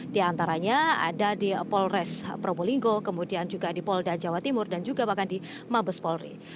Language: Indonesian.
di antaranya ada di polres probolinggo kemudian juga di polda jawa timur dan juga bahkan di mabes polri